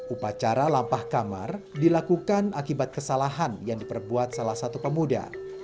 upacara lampah kamar dilakukan akibat kesalahan yang diperbuat salah satu pemuda